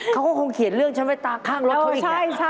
เขาก็คงเขียนเรื่องฉันไว้ตาข้างรถเขาอีก